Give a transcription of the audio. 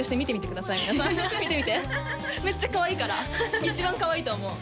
皆さん見てみてめっちゃかわいいから一番かわいいと思う